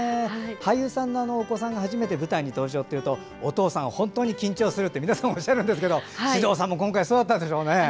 俳優さんのお子さんが初めて舞台に登場というとお父さん本当に緊張すると皆さんおっしゃるんですけど獅童さんも今回そうだったんでしょうね。